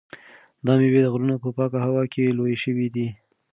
دا مېوې د غرونو په پاکه هوا کې لویې شوي دي.